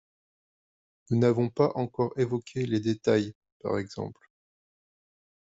Nous n’avons pas encore évoqué les détails, par exemple…